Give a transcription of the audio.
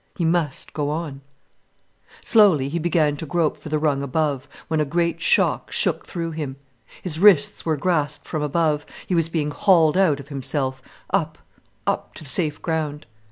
He must go on. Slowly he began to grope for the rung above, when a great shock shook through him. His wrists were grasped from above, he was being hauled out of himself up, up to the safe ground.